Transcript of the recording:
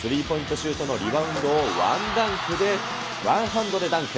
シュートのリバウンドをワンハンドでダンク。